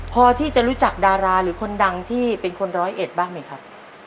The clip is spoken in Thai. พอที่จะรู้จักดาราหรือคนดังที่เป็นคนร้อยเอ็ดบ้างไหมครับ